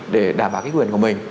để đảm bảo cái quyền của mình